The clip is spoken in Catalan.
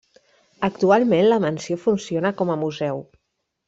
Actualment la mansió funciona com a museu.